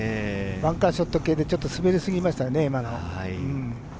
バンカーショット系でちょっと滑りすぎましたよね。